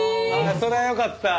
それはよかった。